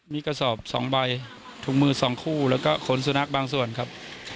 มีกระสอบ๒ใบถุงมือ๒คู่แล้วก็ขนสุนัขบางส่วนครับ